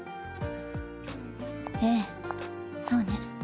ええそうね。